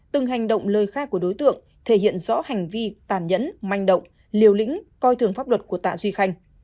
từng hành động lời khai của đối tượng thể hiện rõ hành vi tàn nhẫn manh động liều lĩnh coi thường pháp luật của tạ duy khanh